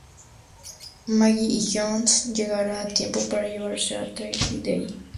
Maggie y John llegarán a tiempo para llevarse a Tracy de allí.